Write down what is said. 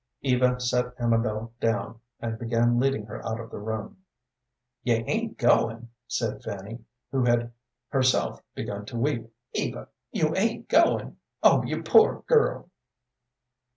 Eva set Amabel down and began leading her out of the room. "You ain't goin'?" said Fanny, who had herself begun to weep. "Eva, you ain't goin'? Oh, you poor girl!"